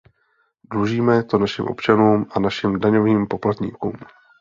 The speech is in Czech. Dlužíme to našim občanům a našim daňovým poplatníkům.